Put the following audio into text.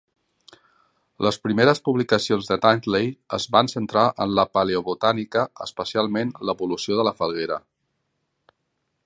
Les primeres publicacions de Tansley es van centrar en la paleobotànica, especialment l'evolució de la falguera.